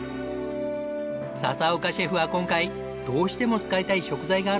笹岡シェフは今回どうしても使いたい食材があるんです。